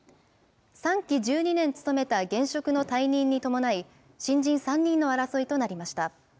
３期１２年務めた現職の退任に伴い、新人３人の争いとなりました。